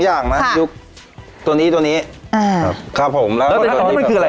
อย่างนะค่ะตัวนี้ตัวนี้อ่าครับผมแล้วก็แล้วอันนี้มันคืออะไร